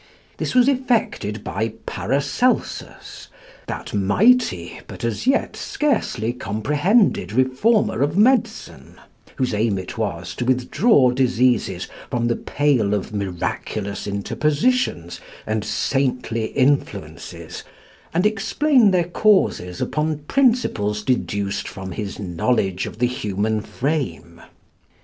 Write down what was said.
This was effected by Paracelsus, that mighty but, as yet, scarcely comprehended reformer of medicine, whose aim it was to withdraw diseases from the pale of miraculous interpositions and saintly influences, and explain their causes upon principles deduced from his knowledge of the human frame.